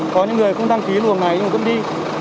có những người không đăng ký luồng này nhưng mà vẫn đi